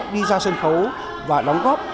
đi ra sân khấu và đóng góp